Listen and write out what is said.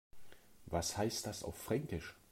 Was heißt das auf Fränkisch?